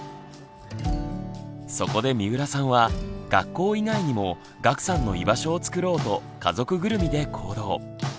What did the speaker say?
そこで三浦さんは学校以外にも岳さんの居場所をつくろうと家族ぐるみで行動。